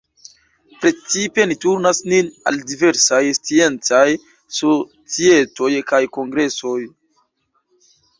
Precipe ni turnas nin al diversaj sciencaj societoj kaj kongresoj.